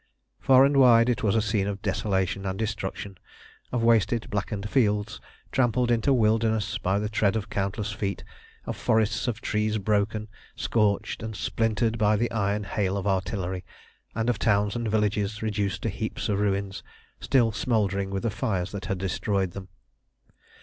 Far and wide it was a scene of desolation and destruction, of wasted, blackened fields trampled into wildernesses by the tread of countless feet, of forests of trees broken, scorched, and splintered by the iron hail of artillery, and of towns and villages, reduced to heaps of ruins, still smouldering with the fires that had destroyed them.